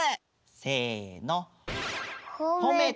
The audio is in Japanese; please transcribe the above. せの。